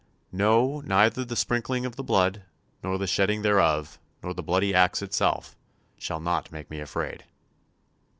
No, neither the sprinkling of the blood, or the shedding thereof, nor the bloody axe itself, shall not make me afraid."